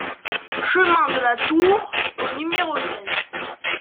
CHEMIN DE LA TOUR au numéro treize